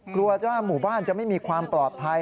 กลัวว่าหมู่บ้านจะไม่มีความปลอดภัย